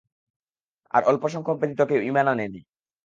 আর অল্প সংখ্যক ব্যতীত কেউ ঈমান আনেনি।